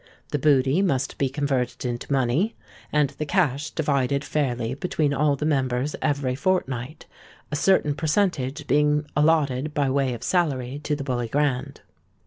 The booty must be converted into money, and the cash divided fairly between all the members every fortnight, a certain percentage being allotted by way of salary to the Bully Grand.